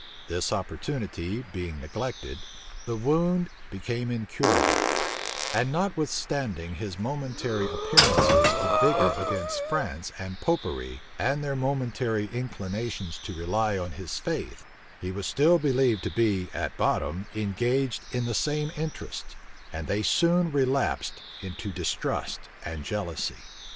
This opportunity being neglected, the wound became incurable; and notwithstanding his momentary appearances of vigor against France and Popery, and their momentary inclinations to rely on his faith, he was still believed to be at bottom engaged in the same interests, and they soon relapsed into distrust and jealousy.